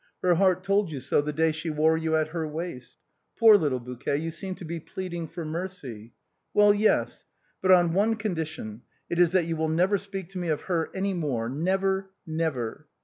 her heart told you so the day she wore you at her waist. Poor little bouquet, you seem to be pleading for mercy ; well, yes ; but on one condition ; it is that you will never speak to me of her any more, never ! never